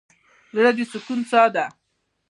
زړه د سکون څاه ده.